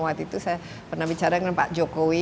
waktu itu saya pernah bicara dengan pak jokowi